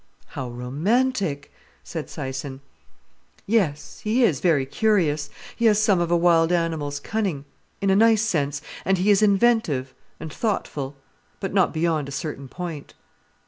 "How romantic!" said Syson. "Yes. He is very curious—he has some of a wild animal's cunning—in a nice sense—and he is inventive, and thoughtful—but not beyond a certain point."